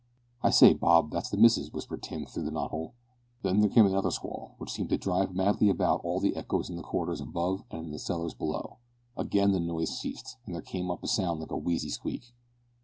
"I say, Bob, that's the missus," whispered Tim through a knot hole. Then there came another squall, which seemed to drive madly about all the echoes in the corridors above and in the cellars below. Again the noise ceased, and there came up a sound like a wheezy squeak.